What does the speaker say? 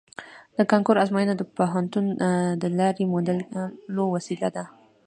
د کانکور ازموینه د پوهنتون د لارې موندلو وسیله ده